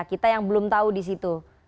kita yang belum tahu di situ